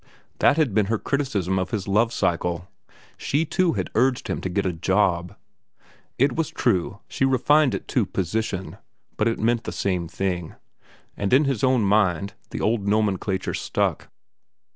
That had been her criticism of his "Love cycle." She, too, had urged him to get a job. It was true, she refined it to "position," but it meant the same thing, and in his own mind the old nomenclature stuck.